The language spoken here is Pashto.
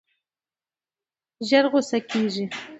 ژر غوسه کېږي.